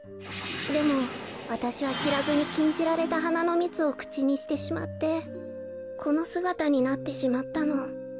でもわたしはしらずにきんじられたはなのみつをくちにしてしまってこのすがたになってしまったの。